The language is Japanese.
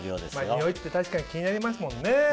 においって確かに気になりますもんね。